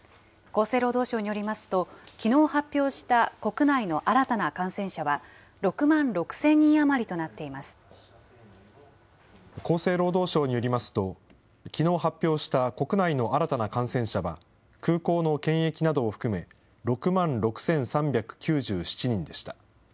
厚生労働省によりますと、きのう発表した国内の新たな感染者は６万６０００人余りとなって厚生労働省によりますと、きのう発表した国内の新たな感染者は空港の検疫などを含め６万６３９７人でした。